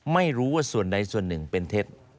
ไม่รู้ว่าส่วนใดส่วนหนึ่งเป็นเท็จ